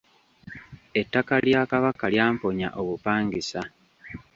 Ettaka Lya Kabaka lyamponya obupangisa.